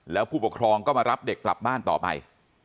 แล้วผู้ปกครองก็มารับเด็กกลับบ้านต่อไป